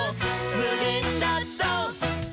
「むげんだぞう！」